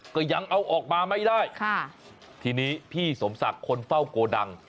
ก็ยังเอาออกมาไม่ได้ค่ะทีนี้พี่สมศักดิ์คนเฝ้าโกดัง